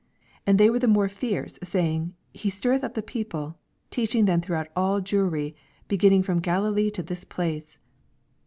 5 And they were the more fierce, Baying, He stirreth up the people, teaching throughout ail Jewry, be ginning from Galilee to this place.